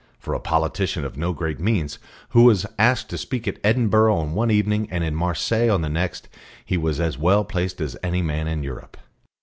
For a politician of no great means, who was asked to speak at Edinburgh on one evening and in Marseilles on the next, he was as well placed as any man in Europe.